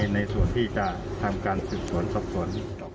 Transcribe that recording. ในส่วนที่จะทำการศึกษวนสบส่วน